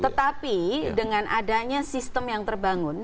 tetapi dengan adanya sistem yang terbangun